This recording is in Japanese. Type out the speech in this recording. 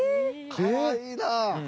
かわいいな。